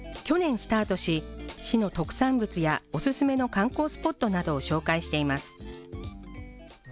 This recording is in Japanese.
去年スタートし、市の特産物やお勧めの観光スポットなどを紹介しています。